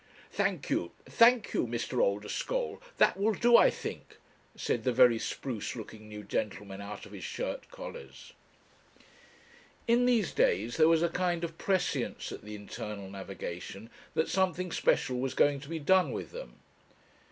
'Thank you, thank you, Mr. Oldeschole that will do, I think,' said the very spruce looking new gentleman out of his shirt collars. In these days there was a kind of prescience at the Internal Navigation that something special was going to be done with them.